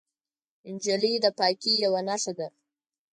نجلۍ د پاکۍ یوه نښه ده.